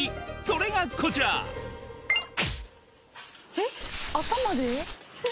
それがこちらえっ頭で？